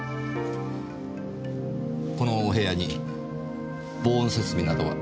このお部屋に防音設備などは？